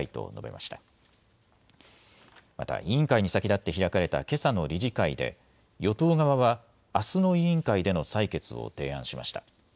また、委員会に先立って開かれたけさの理事会で与党側はあすの委員会での採決を提案しました。